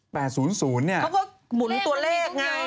เขาก็หมุนตัวเลขไง